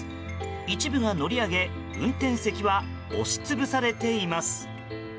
一部が乗り上げ運転席は押し潰されています。